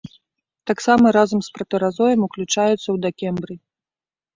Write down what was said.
Таксама разам з пратэразоем уключаецца ў дакембрый.